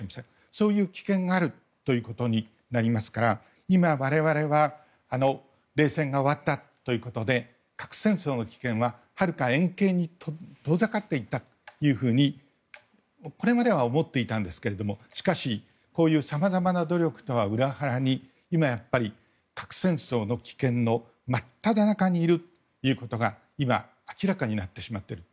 そういう危険があるということになりますから今、我々は冷戦が終わったということで核戦争の危険ははるか遠景に遠ざかっていったとこれまでは思っていたんですがしかし、こういうさまざまな努力とは裏腹に今、核戦争の危険の真っただ中にいるということが今、明らかになってしまっている。